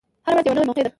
هره ورځ یوه نوی موقع ده.